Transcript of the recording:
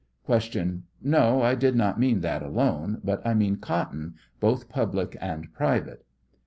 Q 1^0, I do not mean that alone, but I mean cotton, both putDlic and private